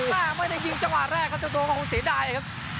ถ้าไม่ได้ยิงจังหวาแรกเขาจะโทรมาของสุดยอดครับ